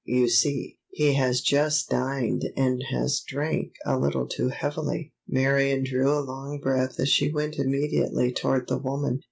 You see, he has just dined and has drank a little too heavily." Marion drew a long breath as she went immediately toward the woman.